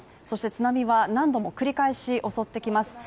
そして津波は何度も繰り返し襲ってきます